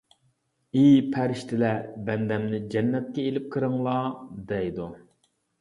ئى پەرىشتىلەر، بەندەمنى جەننەتكە ئېلىپ كىرىڭلار، دەيدۇ.